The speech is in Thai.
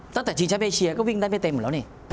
ตั้งแต่ชิงชะเบสเชียก็วิ่งได้ไม่เต็มเหรอเนี่ย